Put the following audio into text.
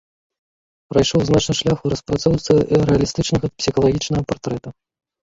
Прайшоў значны шлях у распрацоўцы рэалістычнага псіхалагічнага партрэта.